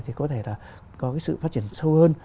thì có thể là có cái sự phát triển sâu hơn